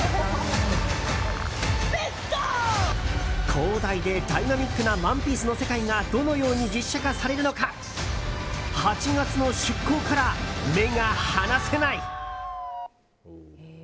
広大でダイナミックな「ＯＮＥＰＩＥＣＥ」の世界がどのように実写化されるのか８月の出航から目が離せない。